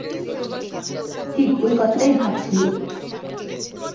ঠিক ঐ কথাটাই ভাবছিলুম।